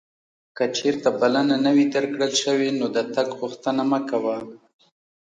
که چیرته بلنه نه وې درکړل شوې نو د تګ غوښتنه مه کوه.